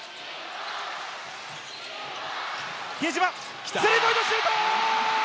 比江島スリーポイントシュート！